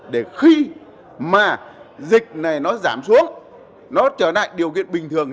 để khi mà dịch này nó giảm xuống nó trở lại điều kiện bình thường